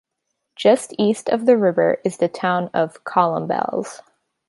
Just east of the river is the town of Colombelles.